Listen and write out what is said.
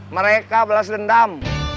mereka belas dendam